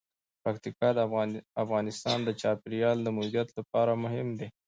پکتیکا د افغانستان د چاپیریال د مدیریت لپاره مهم دي.